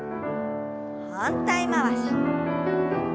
反対回し。